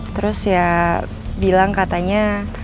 terus ya bilang katanya